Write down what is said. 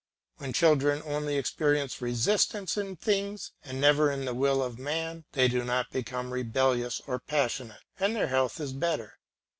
When children only experience resistance in things and never in the will of man, they do not become rebellious or passionate, and their health is better.